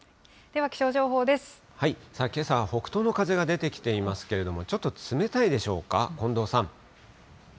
けさは北東の風が出てきていますけれども、ちょっと冷たいでしょうか、近藤さん。